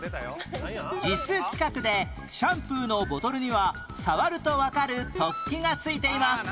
ＪＩＳ 規格でシャンプーのボトルには触るとわかる突起がついています